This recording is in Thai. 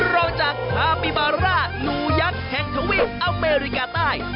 รองจากคาปิบาร่านูยักษ์แห่งทวีปอเมริกาใต้